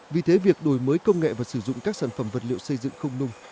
vì thế việc đổi mới công nghệ và sử dụng các sản phẩm vật liệu xây dựng không nung